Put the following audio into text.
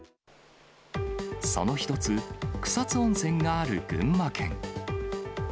その一つ、草津温泉がある群馬県。